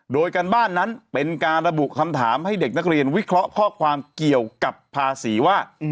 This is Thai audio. โดยการบ้านนั้นเป็นการระบุคำถามให้เด็กนักเรียนวิเคราะห์ข้อความเกี่ยวกับภาษีว่า